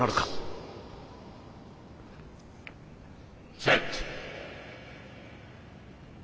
「セット」。